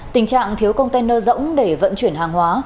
tình trạng thiếu container rỗng để vận chuyển hàng hóa